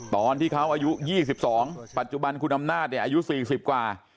ตอนที่เขาอายุ๒๒ปัจจุบันคุณอำนาจเนี่ยอายุ๔๐กว่า